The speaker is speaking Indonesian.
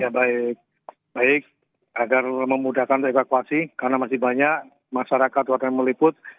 baik baik agar memudahkan untuk evakuasi karena masih banyak masyarakat warga yang meliput